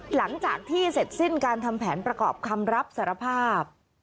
หลังจากที่เสร็จสิ้นการทำแผนประกอบคำรับสารภาพ